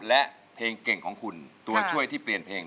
นั่นก็คือ